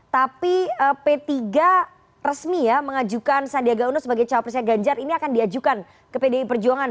tapi p tiga resmi ya mengajukan sandiaga uno sebagai cawapresnya ganjar ini akan diajukan ke pdi perjuangan